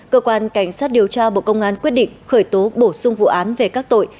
cơ quan cảnh sát điều tra bộ công an quyết định khởi tố bổ sung vụ án về các tội